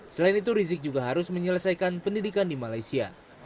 selain itu rizik juga harus menyelesaikan pendidikan di malaysia